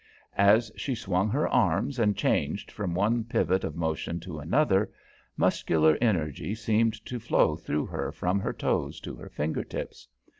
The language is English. As she swung her arms and changed from one pivot of motion to another, muscular energy seemed to flow through her from her toes to her finger tips.